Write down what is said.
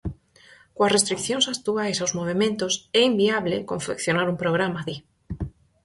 Coas restricións actuais aos movementos "é inviable" confeccionar un programa, di.